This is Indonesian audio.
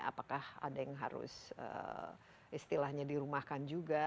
apakah ada yang harus istilahnya dirumahkan juga